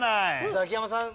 ザキヤマさん